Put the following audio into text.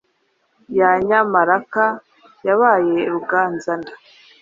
Ya nyamaraka, yabaye rugenza-nda